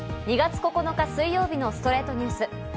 ２月９日、水曜日の『ストレイトニュース』。